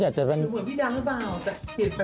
หรือเหมือนพี่ด้านหรือเปล่า